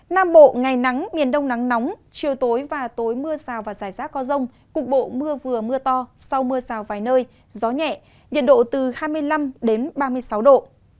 nam bộ ngày nắng miền đông nắng nóng chiều tối và tối mưa rào và rải rác có rông cục bộ mưa vừa mưa to sau mưa rào vài nơi gió nhẹ nhiệt độ từ hai mươi năm ba mươi sáu độ